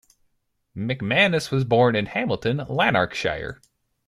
McManus was born in Hamilton, Lanarkshire.